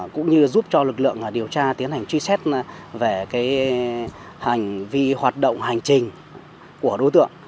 cũng như giúp cho lực lượng điều tra tiến hành truy xét về hành vi hoạt động hành trình của đối tượng